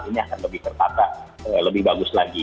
ini akan lebih tertata lebih bagus lagi